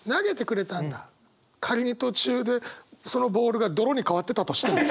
仮に途中でそのボールが泥に変わってたとしても。